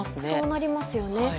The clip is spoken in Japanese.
そうなりますね。